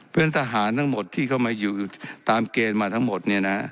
เพราะฉะนั้นทหารทั้งหมดที่เข้ามาอยู่ตามเกณฑ์มาทั้งหมด